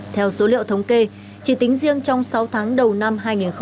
theo số liệu thống kê chỉ tính riêng trong sáu tháng đầu năm hai nghìn hai mươi